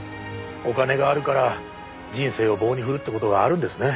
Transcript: お金があるから人生を棒に振るって事があるんですね。